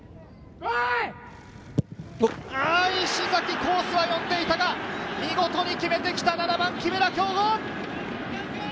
石崎、コースは読んでいたが、見事に決めてきた７番・木村匡吾。